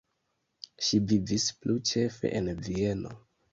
Ŝi vivis plu ĉefe en Vieno.